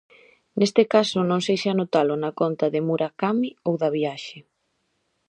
Neste caso non sei se anotalo na conta de Murakami ou da viaxe.